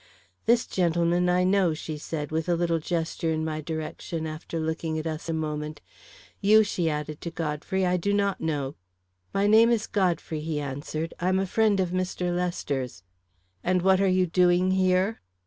"This gentleman I know," she said, with a little gesture in my direction, after looking at us a moment. "You," she added to Godfrey, "I do not know." "My name is Godfrey," he answered. "I'm a friend of Mr. Lester's." "And what are you doing here?"